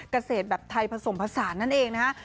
เกษตรแบบไทยผสมผสานนั่นเองนะฮะ